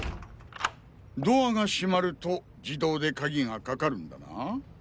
ドアが閉まると自動で鍵がかかるんだな。